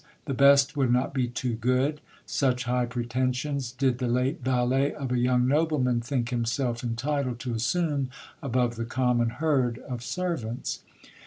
The best would not be too good ; such high pretensions did the late valet of a young nobleman think himself entitled to assume above the common herd of servants.